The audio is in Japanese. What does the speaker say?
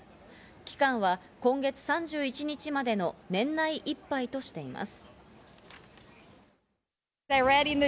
期間は今月３１日までの年内いっぱいとしています。